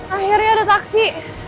akhirnya ada taksi